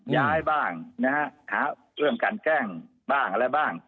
ย้ายบ้างนะฮะหาเรื่องกันแกล้งบ้างอะไรบ้าง